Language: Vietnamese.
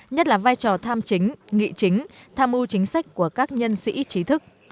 nhất là vai trò tham chính nghị chính tham ưu chính sách của các nhân sĩ trí thức